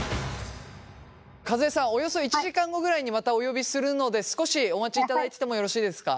和江さんおよそ１時間後くらいにまたお呼びするので少しお待ちいただいててもよろしいですか？